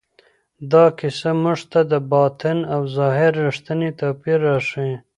دا کیسه موږ ته د باطن او ظاهر رښتینی توپیر راښیي.